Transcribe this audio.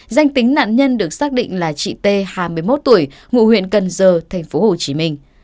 danh tính nạn nhân được xác định là chị tê hai mươi một tuổi ngụ huyện cần giơ thành phố hồ chí minh